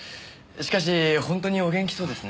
しかし本当にお元気そうですね。